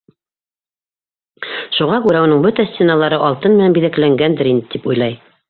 Шуға күрә, уның бөтә стеналары алтын менән биҙәкләнгәндер инде, тип уйлай.